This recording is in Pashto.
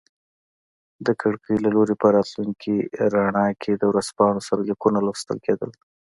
د کړکۍ له لوري په راتلونکي رڼا کې د ورځپاڼو سرلیکونه لوستل کیدل.